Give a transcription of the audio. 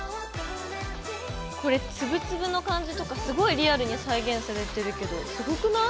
これつぶつぶの感じとかすごいリアルに再現されてるけどすごくない？